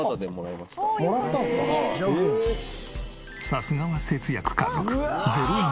さすがは節約家族。